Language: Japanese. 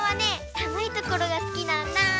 さむいところがすきなんだ。